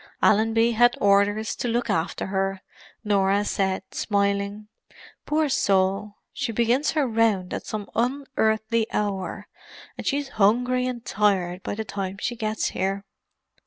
"Allenby had orders to look after her," Norah said, smiling. "Poor soul—she begins her round at some unearthly hour and she's hungry and tired by the time she gets here."